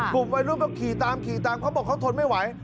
กลุ่มวัยรุ่นก็ขี่ตามขี่ตามเขาบอกเขาทนไม่ไหว